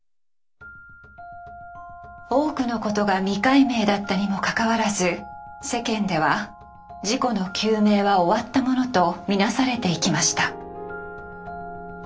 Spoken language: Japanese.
多くのことが未解明だったにもかかわらず世間では事故の究明は終わったものと見なされていきました。